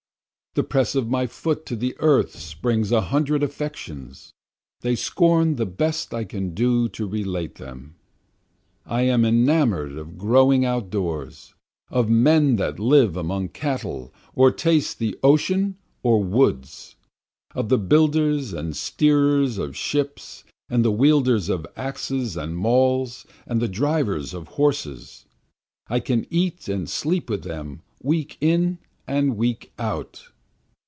The press of my foot to the earth springs a hundred affections, They scorn the best I can do to relate them. I am enamour'd of growing out doors, Of men that live among cattle or taste of the ocean or woods, Of the builders and steerers of ships and the wielders of axes and mauls, and the drivers of horses, I can eat and sleep with them week in and week out.